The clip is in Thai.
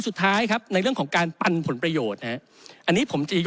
ปสุดท้ายในเรื่องของการปั่นผลประโยชน์